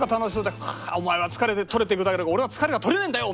「お前は疲れ取れていく俺は疲れが取れねえんだよ！」